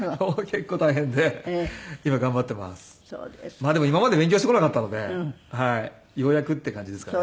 まあでも今まで勉強してこなかったのでようやくっていう感じですかね。